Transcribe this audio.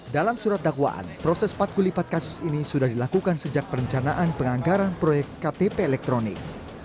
dalam surat dakwaan proses patkulipat kasus ini sudah dilakukan sejak perencanaan penganggaran proyek ktp elektronik